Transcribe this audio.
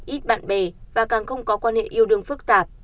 ít bạn bè và càng không có quan hệ yêu đương phức tạp